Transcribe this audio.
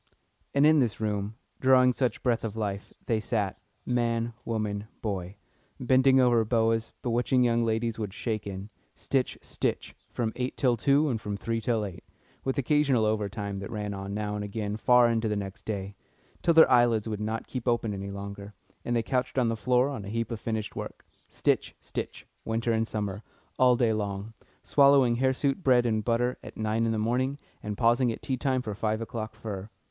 And in this room, drawing such breath of life, they sat man, woman, boy bending over boas bewitching young ladies would skate in; stitch, stitch, from eight till two and from three to eight, with occasional overtime that ran on now and again far into the next day; till their eyelids would not keep open any longer, and they couched on the floor on a heap of finished work; stitch, stitch, winter and summer, all day long, swallowing hirsute bread and butter at nine in the morning, and pausing at tea time for five o'clock fur.